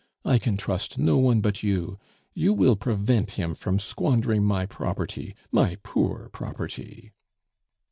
I can trust no one but you; you will prevent him from squandering my property my poor property."